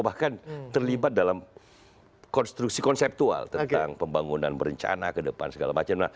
bahkan terlibat dalam konstruksi konseptual tentang pembangunan berencana ke depan segala macam